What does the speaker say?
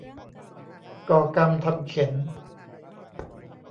ก่อกรรมทำเข็ญ